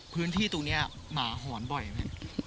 พื้นที่ตรงนี้หมาหอนบ่อยไหม